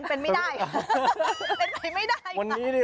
เป็นไม่ได้